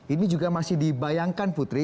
ini juga masih dibayangkan putri